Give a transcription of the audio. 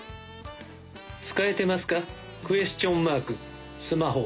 使えてますかクエスチョンマークスマホ。